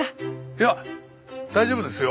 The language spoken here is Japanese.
いや大丈夫ですよ